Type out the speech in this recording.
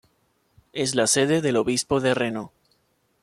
Es la sede del obispo de Reno.